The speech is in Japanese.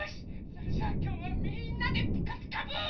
それじゃあきょうはみんなで「ピカピカブ！」。